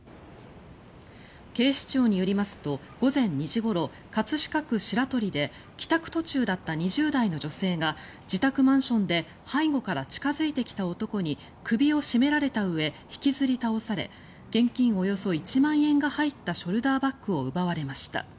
警視庁によりますと午前２時ごろ葛飾区白鳥で帰宅途中だった２０代の女性が自宅マンションで背後から近付いてきた男に首を絞められたうえ引きずり倒され現金およそ１万円が入ったショルダーバッグを奪われました。